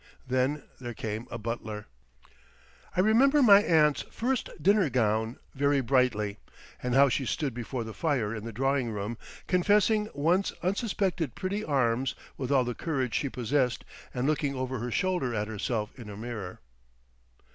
Then there came a butler. I remember my aunt's first dinner gown very brightly, and how she stood before the fire in the drawing room confessing once unsuspected pretty arms with all the courage she possessed, and looking over her shoulder at herself in a mirror.